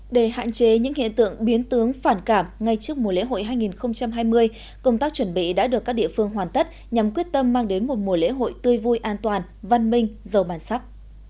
để hạn chế những hiện tượng biến tướng phản cảm ngay trước mùa lễ hội hai nghìn hai mươi công tác chuẩn bị đã được các địa phương hoàn tất nhằm quyết tâm mang đến một mùa lễ hội tươi vui an toàn văn minh giàu bản sắc